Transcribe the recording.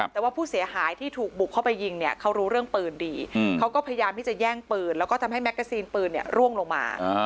แต่ว่าผู้เสียหายที่ถูกบุกเข้าไปยิงเนี่ยเขารู้เรื่องปืนดีเขาก็พยายามที่จะแย่งปืนแล้วก็ทำให้แกซีนปืนร่วงลงมา